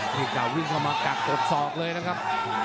เขากล้าวิ่งเข้ามากักออกสอบเลยนะครับ